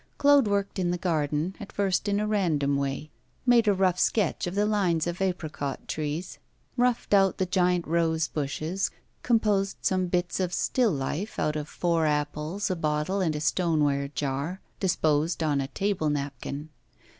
Claude worked in the garden, at first, in a random way: made a rough sketch of the lines of apricot trees, roughed out the giant rose bushes, composed some bits of 'still life,' out of four apples, a bottle, and a stoneware jar, disposed on a table napkin.